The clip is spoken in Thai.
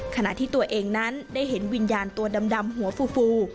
ขณะที่ตัวเองนั้นได้เห็นวิญญาณตัวดำหัวฟู